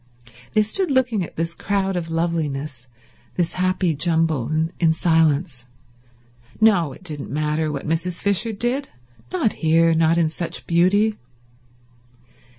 They stood looking at this crowd of loveliness, this happy jumble, in silence. No, it didn't matter what Mrs. Fisher did; not here; not in such beauty.